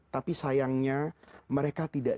tapi sayangnya mereka tidak